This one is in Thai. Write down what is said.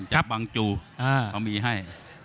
บังจูเขามีให้